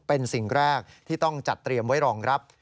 เป็นสิ่งแรกที่ต้องจัดเตรียมไว้รองรับ